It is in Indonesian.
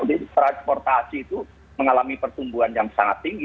jadi transportasi itu mengalami pertumbuhan yang sangat tinggi